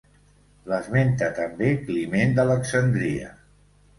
L'esmenta també Climent d'Alexandria.